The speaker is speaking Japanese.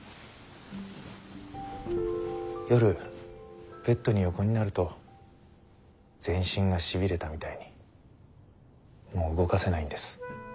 夜ベッドに横になると全身がしびれたみたいにもう動かせないんです。